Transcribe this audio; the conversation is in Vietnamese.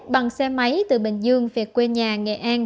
bằng xe máy từ bình dương về quê nhà nghệ an